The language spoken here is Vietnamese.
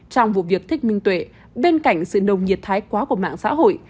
trong vụ việc thích minh tuệ bên cạnh sự nồng nhiệt thái quá của mạng xã hội